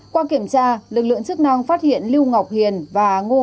qua kiểm tra lực lượng chức năng phát hiện lưu ngọc hiền và ngô ngọc hiền